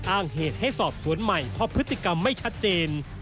อ้างเหตุให้สอบสวนใหม่เพราะพฤติกรรมไม่ชัดเจน